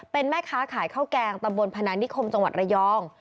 เป็นแม่ค้าขายข้าวแกงตำบลพนันนิคมจังหวัดระยอง